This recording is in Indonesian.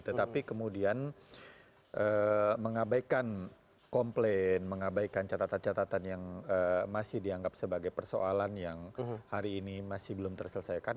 tetapi kemudian mengabaikan komplain mengabaikan catatan catatan yang masih dianggap sebagai persoalan yang hari ini masih belum terselesaikan